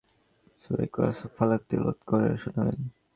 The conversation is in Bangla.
সূরা ইখলাস ও ফালাক তিলাওয়াত করে শুনালেন।